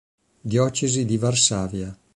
Diocesi di Varsavia